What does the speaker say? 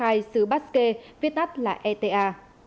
nhân dân khai xứ bát xkê viết tắt là eta